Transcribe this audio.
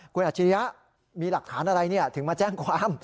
คุณอัจฉริยะมีหลักฐานอะไรถึงมาแจ้งความ